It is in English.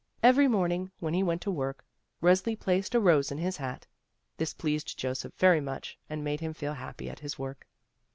Every morning, when he went to work, Resli placed a rose in his hat. This pleased Joseph very much, and made him feel happy at his work.